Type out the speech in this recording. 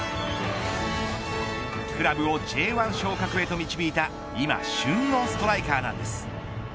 クラブをＪ１昇格へと導いた今、旬のストライカーなんです。